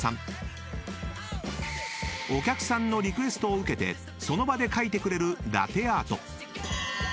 ［お客さんのリクエストを受けてその場で描いてくれるラテアート］